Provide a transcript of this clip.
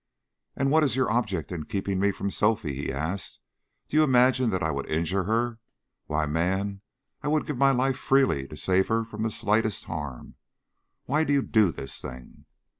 "And what is your object in keeping me from Sophie?" he asked. "Do you imagine that I would injure her? Why, man, I would give my life freely to save her from the slightest harm. Why do you do this thing?"